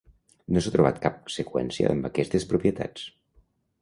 No s'ha trobat cap seqüència amb aquestes propietats.